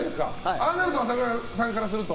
ああなると朝倉さんからすると？